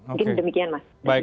mungkin demikian mas